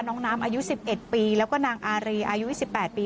น้องน้ำอายุ๑๑ปีแล้วก็นางอารีอายุ๒๘ปี